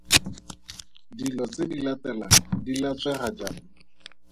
Dilo tse di latelang di latswega jang?